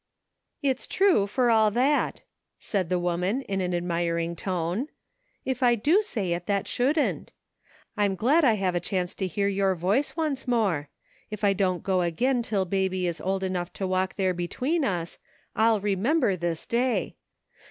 " It's true, for all that," said the woman, in an admiring tone, " if I do say it that shouldn't. I'm glad I have a chance to hear your voice once more ; if I don't go again till Baby is old enough to walk there between us, I'll remember this day.